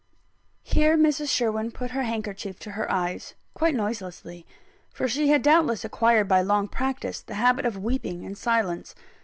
Here Mrs. Sherwin put her handkerchief to her eyes quite noiselessly; for she had doubtless acquired by long practice the habit of weeping in silence.